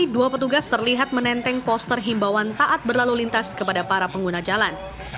dua petugas terlihat menenteng poster himbawan taat berlalu lintas kepada para pengguna jalan